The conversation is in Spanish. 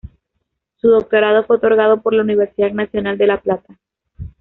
Su doctorado fue otorgado por la Universidad Nacional de La Plata.